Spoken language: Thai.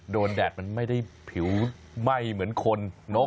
โดนแดดมันไม่ได้ผิวไหมเหมือนคน